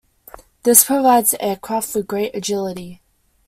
This provides the aircraft with great agility.